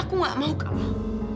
aku nggak akan pernah kalah